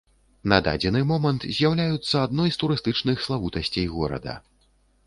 На дадзены момант з'яўляюцца адной з турыстычных славутасцей горада.